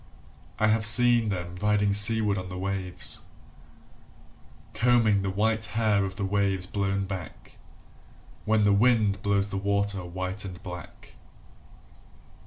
I have seen them riding seaward on the waves Combing the white hair of the waves blown back When the wind blows the water white and black.